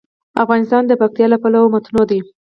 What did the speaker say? افغانستان د پکتیا له پلوه متنوع دی.